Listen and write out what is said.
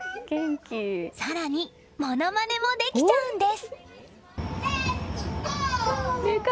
更に、ものまねもできちゃうんです。